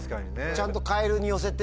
ちゃんとカエルに寄せて。